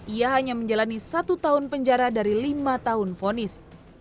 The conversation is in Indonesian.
ia hanya menjalani satu tahun penjara dari lima tahun fonis